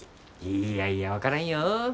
いやいや分からんよ。